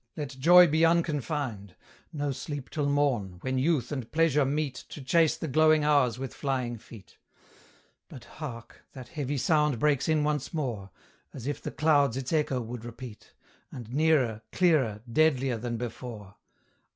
let joy be unconfined; No sleep till morn, when Youth and Pleasure meet To chase the glowing Hours with flying feet. But hark! that heavy sound breaks in once more, As if the clouds its echo would repeat; And nearer, clearer, deadlier than before!